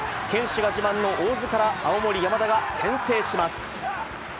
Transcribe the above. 堅守が自慢の大津から、青森山田が先制します。